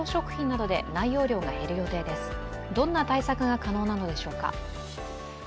どんな対策が可能なのでしょうか。